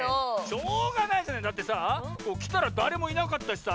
しょうがないじゃないだってさきたらだれもいなかったしさ